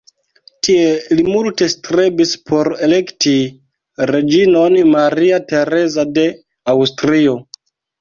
Tie li multe strebis por elekti reĝinon Maria Tereza de Aŭstrio.